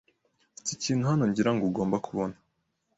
Mfite ikintu hano ngira ngo ugomba kubona.